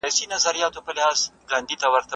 ایا ایوانان له هغه سره تللي وو؟